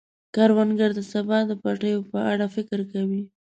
کروندګر د سبا د پټیو په اړه فکر کوي